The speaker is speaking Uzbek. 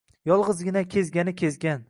yolg‘izgina kezgani-kezgan;